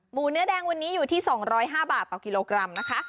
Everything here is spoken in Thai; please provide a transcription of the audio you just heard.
เนื้อแดงวันนี้อยู่ที่๒๐๕บาทต่อกิโลกรัมนะคะ